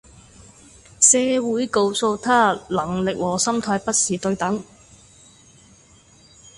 社會告訴他能力和心態不是對等